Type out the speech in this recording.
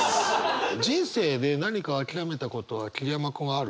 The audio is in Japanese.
人生で何か諦めたことは桐山君はある？